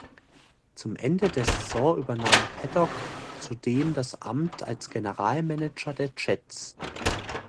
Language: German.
Zum Ende der Saison übernahm Paddock zudem das Amt als General Manager der Jets.